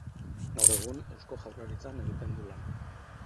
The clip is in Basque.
Gaur egun, Eusko Jaurlaritzan egiten du lan.